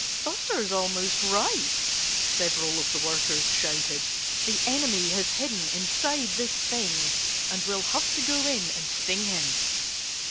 "Buster's almost right!" several of the workers shouted. "The enemy has hidden inside this thing. And we'll have to go in and sting him."